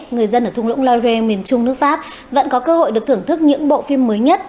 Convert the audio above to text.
người dân ở thung lũng loire miền trung nước pháp vẫn có cơ hội được thưởng thức những bộ phim mới nhất